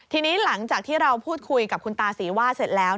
ทีนี้หลังจากที่เราพูดคุยกับคุณตาศรีว่าเสร็จแล้ว